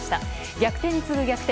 逆転に次ぐ逆転。